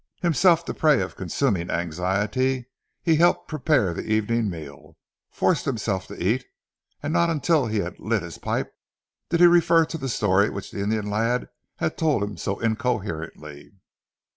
Himself the prey of consuming anxiety, he helped to prepare the evening meal, forced himself to eat, and not until he had lit his pipe did he refer to the story which the Indian lad had told him so incoherently.